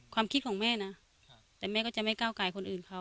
ความคิดของแม่นะแต่แม่ก็จะไม่ก้าวไก่คนอื่นเขา